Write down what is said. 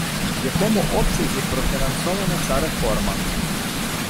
В якому обсязі профінансована ця реформа?